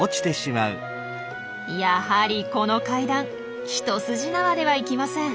やはりこの階段一筋縄ではいきません。